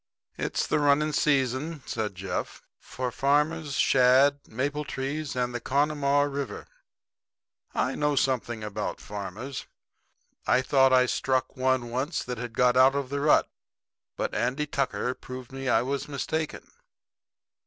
"It's the running season," said Jeff, "for farmers, shad, maple trees and the Connemaugh river. I know something about farmers. I thought I struck one once that had got out of the rut; but Andy Tucker proved to me I was mistaken.